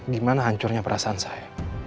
gimana hancurnya perasaan saya